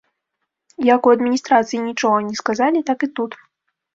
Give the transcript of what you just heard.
Як у адміністрацыі нічога не сказалі, так і тут.